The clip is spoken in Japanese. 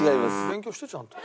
勉強してちゃんと。